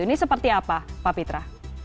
ini seperti apa pak pitra